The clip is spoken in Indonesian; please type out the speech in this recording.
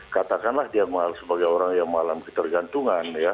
katakanlah dia sebagai orang yang mengalami ketergantungan ya